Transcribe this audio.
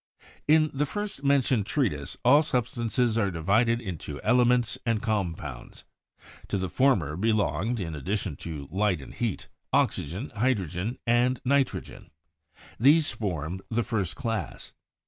In the first mentioned treatise all substances are divided into elements and compounds. To the former belonged — in addition to light and heat — oxygen, hydrogen and ni trogen; these formed the first class.